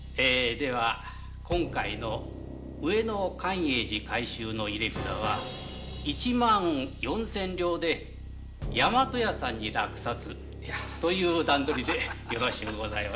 では上野寛永寺改修の入れ札は一万四千両で大和屋さんに落札という段取りでよろしいですね。